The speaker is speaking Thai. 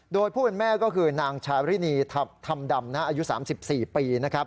โดยผู้เป็นแม่ก็คือนางชารินีธรรมดำอายุ๓๔ปีนะครับ